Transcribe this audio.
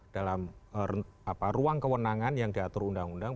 dalam ruang kewenangan yang diatur undang undang